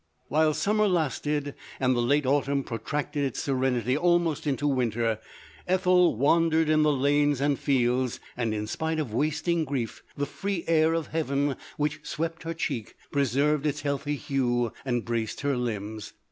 "While summer lasted, and the late autumn protracted its serenity almost into winter, Ethel wandered in the lanes and fields ; and in spite of wasting" grief, the free air of heaven, which LODORE. 287 swept her cheek, preserved its healthy hue and braced her limbs.